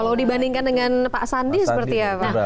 kalau dibandingkan dengan pak sandi seperti apa